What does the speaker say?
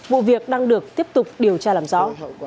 vụ việc đang được tiếp tục điều tra làm rõ